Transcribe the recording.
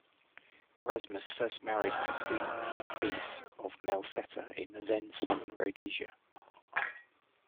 Erasmus first married Christina Wiese of Melsetter in the then Southern Rhodesia.